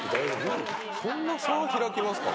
そんな差開きますかね？